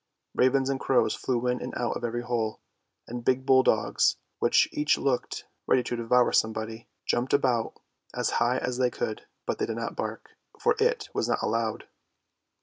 Ravens and crows flew in and out of every hole, and big bull dogs, which each looked ready to devour somebody, jumped about as high as they could, but they did not bark, for it was not allowed.